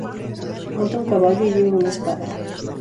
Monta un caballo y lleva una espada.